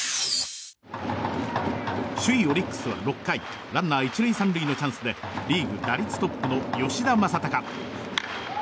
首位オリックスは、６回ランナー１塁３塁のチャンスでリーグ打率トップの吉田正尚。